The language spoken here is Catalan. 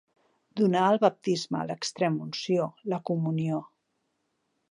Donar el baptisme, l'extremunció, la comunió.